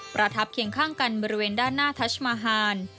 ประทับเคียงข้างกันบริเวณด้านหน้าทัชมาฮาน